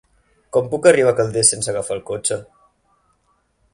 Com puc arribar a Calders sense agafar el cotxe?